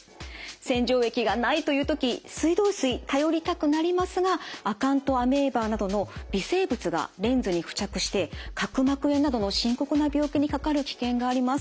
洗浄液がないという時水道水頼りたくなりますがアカントアメーバなどの微生物がレンズに付着して角膜炎などの深刻な病気にかかる危険があります。